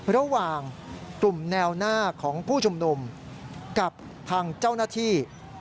ระหว่างกลุ่มแนวหน้าของผู้ชุมนุมกับทางเจ้าหน้าที่